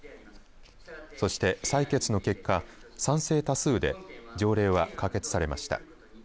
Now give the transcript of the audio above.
そして、採決の結果賛成多数で条例は可決されました。